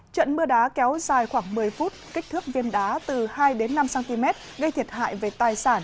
trận mưa đá kéo dài khoảng một mươi phút kích thước viên đá từ hai đến năm cm gây thiệt hại về tài sản